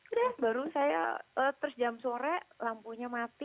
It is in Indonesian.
udah baru saya terus jam sore lampunya mati